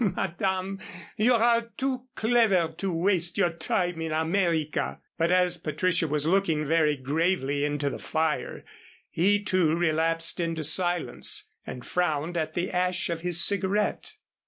"Madame, you are too clever to waste your time in America." But as Patricia was looking very gravely into the fire, he too relapsed into silence, and frowned at the ash of his cigarette.